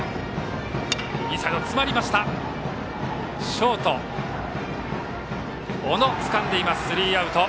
ショート、小野がつかんでスリーアウト。